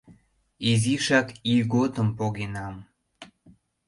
Изишак ийготым погенам.